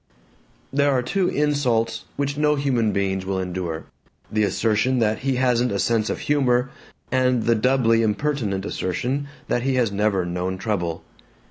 There are two insults which no human being will endure: the assertion that he hasn't a sense of humor, and the doubly impertinent assertion that he has never known trouble.